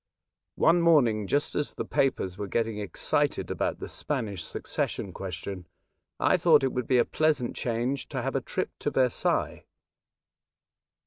^«« 4& One morning, just as the papers were getting excited about the Spanish succession question, I thought it would be a pleasant change to have a trip to Versailles.